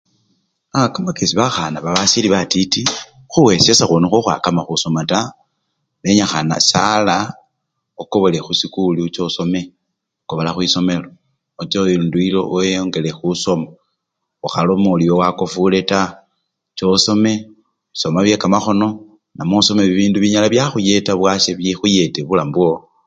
Aa! kamakesi bakhana babasili batiti, khuyesya sekhuli nikhwo khukhwakama khusoma taa, yenyikhana! sala okobole khusikuli ochosome, kobola khwisomelo oche lundi weyongele khusoma okhaloma ori ewe wakofule taa, chosome, soma byekamakhono, namwe osome bibindu binyala byakhuyeta bwasya bikhuyete bulamu bwowo.